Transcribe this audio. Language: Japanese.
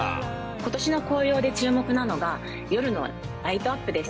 ことしの紅葉で注目なのが、夜のライトアップです。